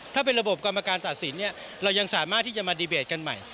ถ้าเป็นระบบกรรมการตัดสินเนี่ยเรายังสามารถที่จะมาดีเบตกันใหม่